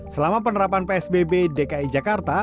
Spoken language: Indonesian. selama penerapan psbb dki jakarta